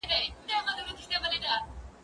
زه به سبا کتابونه لوستل کوم؟